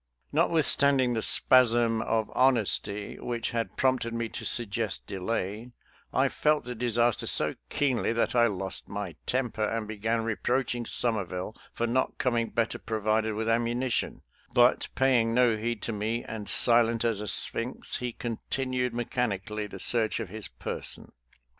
Notwith standing the spasm of honesty which had 152 SOLDIER'S LETTERS TO CHARMING NELLIE prompted me to suggest delay, I felt the dis aster so keenly that I lost my temper and began reproaching Somerville for not coming better provided with ammunition ; but, paying no heed to me and silent as a sphynx, he continued me chanically the search of his person.